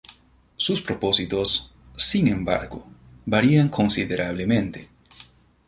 Sus propósitos, sin embargo, varían considerablemente.